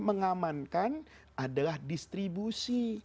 mengamankan adalah distribusi